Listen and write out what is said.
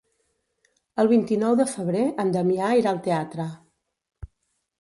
El vint-i-nou de febrer en Damià irà al teatre.